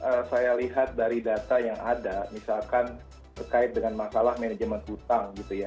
kalau saya lihat dari data yang ada misalkan terkait dengan masalah manajemen hutang gitu ya